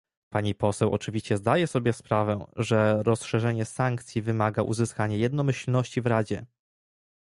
Pani poseł oczywiście zdaje sobie sprawę, że rozszerzenie sankcji wymaga uzyskania jednomyślności w Radzie